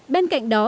bên cạnh đó